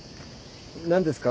何ですか？